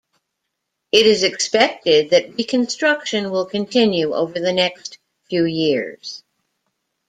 It is expected that reconstruction will continue over the next few years.